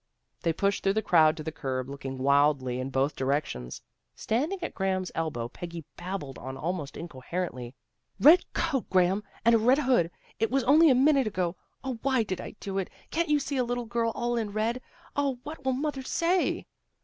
" They pushed through the crowd to the curb, looking wildly in both directions. Standing at Graham's elbow, Peggy babbled on almost incoherently. " Red coat, Graham, and a red hood. It was only a minute ago. O, why did I do it? Can't you see a little girl all in red? 0, what will mother say?